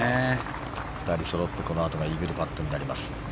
２人そろって、このあとがイーグルパットになります。